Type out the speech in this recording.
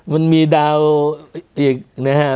มันมีดาวอีกนะฮะ